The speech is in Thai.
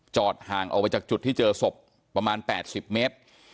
ห่างออกไปจากจุดที่เจอศพประมาณ๘๐เมตร